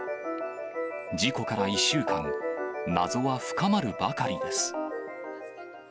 事故から１週間、謎は深まるばかりです。